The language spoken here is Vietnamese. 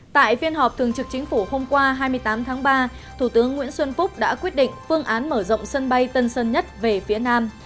tại phiên họp thường trực chính phủ hôm qua hai mươi tám tháng ba thủ tướng nguyễn xuân phúc đã quyết định phương án mở rộng sân bay tân sơn nhất về phía nam